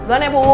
doan ya ibu